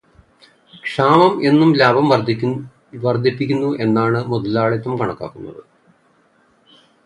ക്ഷാമം എന്നും ലാഭം വർധിപ്പിക്കുമെന്നാണ് മുതലാളിത്തം കണക്കാക്കുന്നത്.